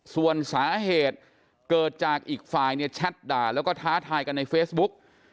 ส่วนสาเหตุเกิดจากอีกฝ่ายเนี่ยแชทด่าแล้วก็ท้าทายกันในเฟซบุ๊ก